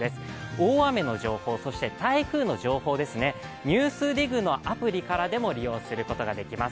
大雨の情報、台風の情報ですね、「ＮＥＷＳＤＩＧ」のアプリからも利用することができます。